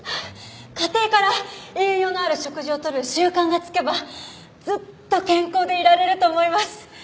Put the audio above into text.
家庭から栄養のある食事をとる習慣がつけばずっと健康でいられると思います。